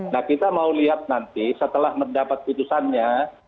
nah kita mau lihat nanti setelah mendapat putusannya